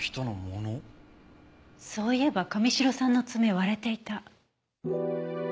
そういえば神城さんの爪割れていた。